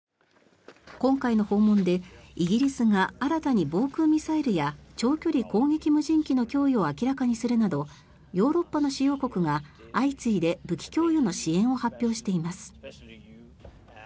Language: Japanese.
今回の訪問でイギリスが新たに防空ミサイルや長距離攻撃無人機の供与を明らかにするなどヨーロッパの主要国が相次いで武器供与の支援を発表しています。